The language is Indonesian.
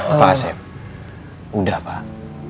pak asif udah pak